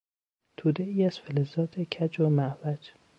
تودهای از فلزات کج و معوج